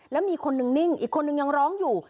แล้วมีคนนึงนิ่งอีกคนนึงยังร้องอยู่